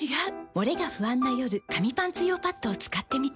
モレが不安な夜紙パンツ用パッドを使ってみた。